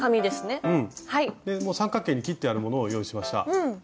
でもう三角形に切ってあるものを用意しました。